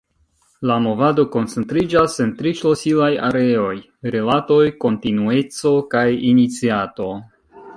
La movado koncentriĝas en tri ŝlosilaj areoj: rilatoj, kontinueco kaj iniciato.